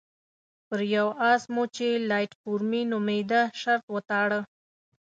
پر یوه اس مو چې لایټ فور مي نومېده شرط وتاړه.